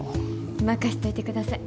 任しといてください。